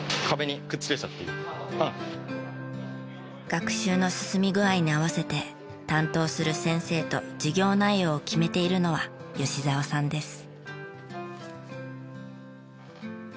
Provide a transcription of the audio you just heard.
学習の進み具合に合わせて担当する先生と授業内容を決めているのは吉沢さんです。